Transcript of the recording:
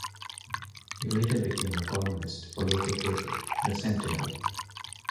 He later became a columnist for local paper, "The Sentinel".